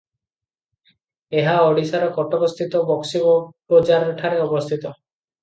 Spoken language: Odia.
ଏହା ଓଡ଼ିଶାର କଟକସ୍ଥିତ ବକ୍ସି ବଜାରଠାରେ ଅବସ୍ଥିତ ।